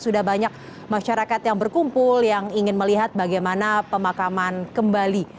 sudah banyak masyarakat yang berkumpul yang ingin melihat bagaimana pemakaman kembali